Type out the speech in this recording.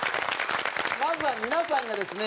まずは皆さんがですね